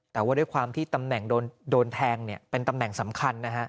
แต่ว่าด้วยความที่ตำแหน่งโดนแทงเป็นตำแหน่งสำคัญนะฮะ